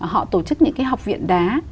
họ tổ chức những cái học viện đá